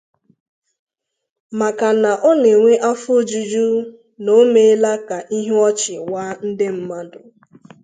maka na ọ na-enwe afọojuju na o meela ka ihu ọchị waa ndị ahụ